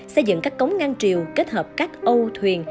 xây dựng các cống ngăn triều kết hợp các ô thuyền